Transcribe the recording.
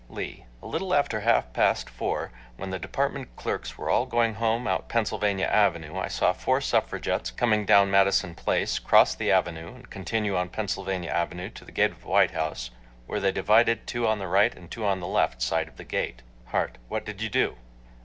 LEE: A little after half past four, when the department clerks were all going home out Pennsylvania Avenue, I saw four suffragettes coming down Madison Place, cross the Avenue and continue on Pennsylvania Avenue to the gate of the White House, where they divided two on the right and two on the left side of the gate. HART: What did you do?